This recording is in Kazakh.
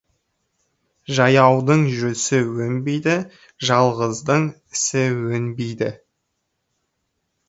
Жаяудың жүрісі өнбейді, жалғыздың ісі өнбейді.